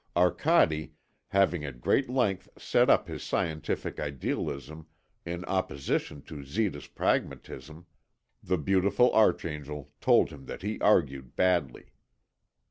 Arcade, having at great length set up his scientific idealism in opposition to Zita's pragmatism, the beautiful archangel told him that he argued badly.